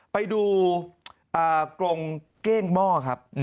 ไปดูกรงเก้งหม้อครับ